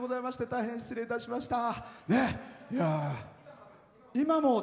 大変失礼しました。